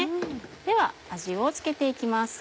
では味を付けて行きます。